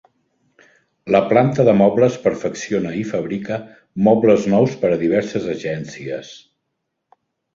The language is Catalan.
La planta de mobles perfecciona i fabrica mobles nous per a diverses agències.